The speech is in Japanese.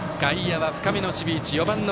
外野は深めの守備位置。